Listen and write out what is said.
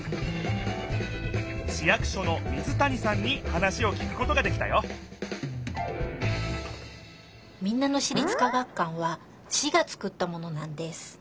市役所の水谷さんに話をきくことができたよ民奈野市立科学館は市がつくったものなんです。